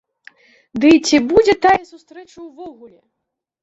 Дый ці будзе тая сустрэча ўвогуле?